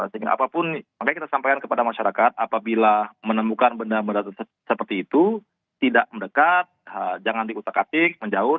sehingga apapun makanya kita sampaikan kepada masyarakat apabila menemukan benda benda seperti itu tidak mendekat jangan diutak atik menjauh